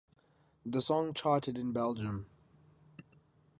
The song charted in Belgium.